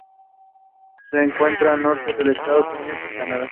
Se encuentra en el norte de Estados Unidos y Canadá.